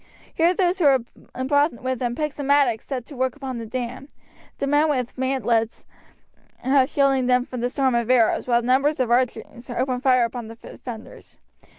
Here those who had brought with them picks and mattocks set to work upon the dam, the men with mantlets shielding them from the storm of arrows, while numbers of archers opened fire upon the defenders.